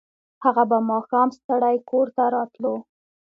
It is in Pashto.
هغه به ماښام ستړی کور ته راتلو